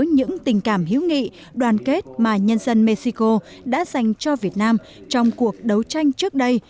những tình cảm hữu nghị đoàn kết mà nhân dân mexico đã dành cho việt nam trong cuộc đấu tranh trước đây